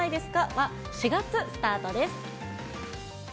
は４月スタートです。